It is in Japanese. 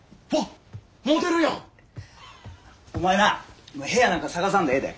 お前な部屋なんか探さんでええで。